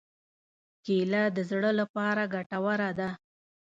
کېله د زړه لپاره ګټوره ده.